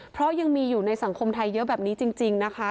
เพราะยังมีอยู่ในสังคมไทยเยอะแบบนี้จริงนะคะ